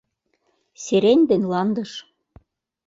Сирень ден ландыш